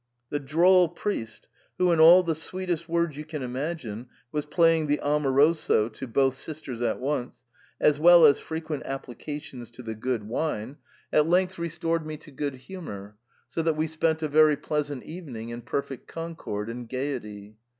The droll priest, who in all the sweetest words you can imagine was playing the amoroso to both sisters at once, as well as frequent applications to the good wine, at length THE PERM ATA, 57 restored me to good humour, so that we spent a very pleasant evening in perfect concord and gaiety.